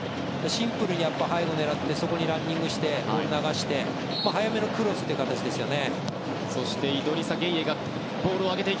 シンプルに背後を狙ってそこにランニングしてボールを流して早めのクロスという形ですよね。